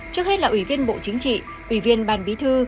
trước hết là ủy viên bộ chính trị ủy viên ban bí thư